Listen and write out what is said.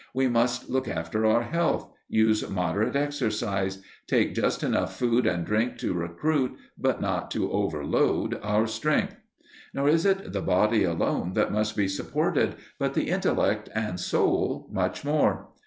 We must look after our health, use moderate exercise, take just enough food and drink to recruit, but not to overload, our strength. Nor is it the body alone that must be supported, but the intellect and soul much more.